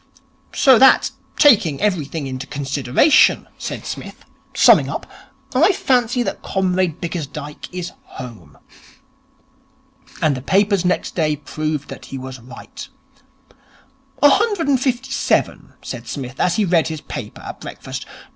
'So that taking everything into consideration,' said Psmith, summing up, 'I fancy that Comrade Bickersdyke is home.' And the papers next day proved that he was right. 'A hundred and fifty seven,' said Psmith, as he read his paper at breakfast.